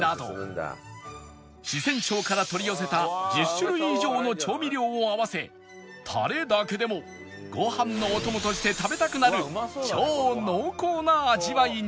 四川省から取り寄せた１０種類以上の調味料を合わせタレだけでもご飯のお供として食べたくなる超濃厚な味わいに